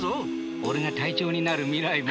俺が隊長になる未来も。